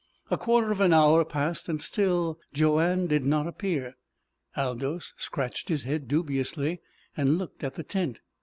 A quarter of an hour passed. Still Joanne did not appear. Aldous scratched his head dubiously, and looked at the tent.